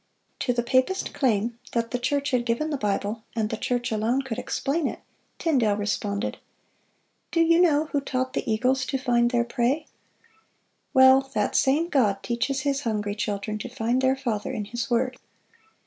To the papist claim that the church had given the Bible, and the church alone could explain it, Tyndale responded: "Do you know who taught the eagles to find their prey? Well, that same God teaches His hungry children to find their Father in His word.